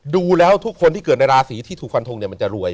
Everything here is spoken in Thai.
ดูแล้วทุกคนที่เกิดในราศีที่ถูกฟันทงเนี่ยมันจะรวย